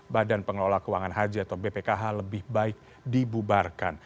badan pengelola keuangan haji atau bpkh lebih baik dibubarkan